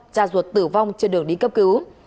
cha ruột tử vong trên đường đi cấp cứu